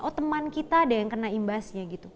oh teman kita ada yang kena imbasnya gitu